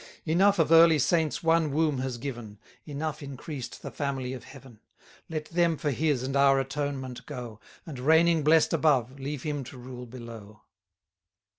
Enough of early saints one womb has given; Enough increased the family of Heaven: Let them for his and our atonement go; And, reigning blest above, leave him to rule below.